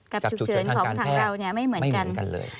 กับฉุกเฉินของทางเราไม่เหมือนกัน